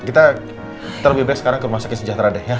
kita lebih baik sekarang ke rumah sakit sejahtera deh